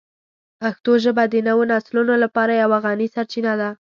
پښتو ژبه د نوو نسلونو لپاره یوه غني سرچینه ده.